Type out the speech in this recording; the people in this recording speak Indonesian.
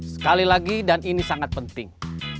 sekali lagi dan ini sangat penting